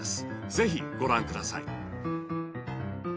ぜひご覧ください